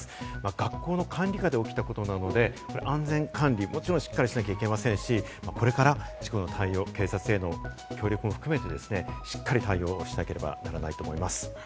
学校の管理下で起きたことなので、安全管理はもちろん、しっかりしなければいけませんし、これから事故の対応、警察への協力も含めて、しっかり対応しなければならないと思います。